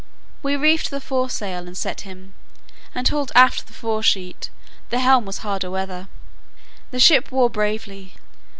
We reefed the fore sail and set him, and hauled aft the fore sheet; the helm was hard a weather. The ship wore bravely.